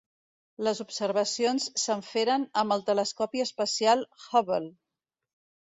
Les observacions se'n feren amb el telescopi espacial Hubble.